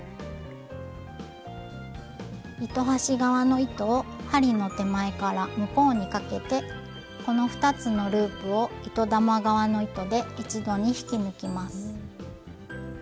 糸端側の糸を針の手前から向こうにかけてこの２つのループを糸玉側の糸で一度に引き抜きます。